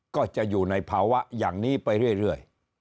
ก็จะอยู่ในภาวะอย่างนี้ไปเรื่อย